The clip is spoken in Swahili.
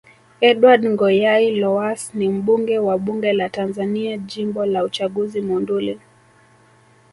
Edward Ngoyai Lowass ni mbunge wa Bunge la Tanzania Jimbo la uchaguzi Monduli